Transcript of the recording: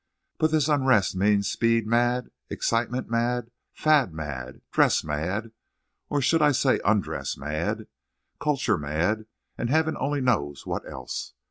But this unrest means speed mad, excitement mad, fad mad, dress mad, or I should say _un_dress mad, culture mad, and Heaven only knows what else.